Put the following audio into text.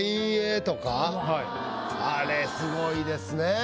あれすごいですね